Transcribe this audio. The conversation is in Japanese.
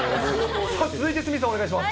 続いて鷲見さん、お願いします。